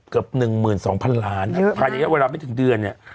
เกือบ๑หมื่น๒พันล้านภายในเวลาไม่ถึงเดือนเนี่ย